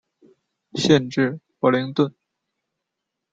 县治伯灵顿。